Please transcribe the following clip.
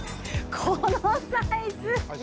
このサイズ。